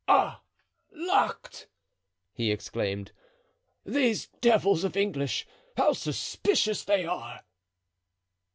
"Ah! locked!" he exclaimed; "these devils of English, how suspicious they are!"